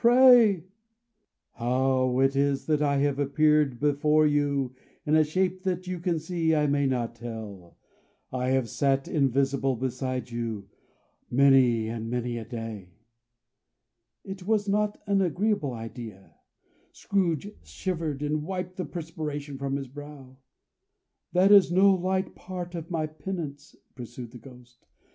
Pray!" "How it is that I appear before you in a shape that you can see, I may not tell. I have sat invisible beside you many and many a day." It was not an agreeable idea. Scrooge shivered, and wiped the perspiration from his brow. "That is no light part of my penance," pursued the Ghost.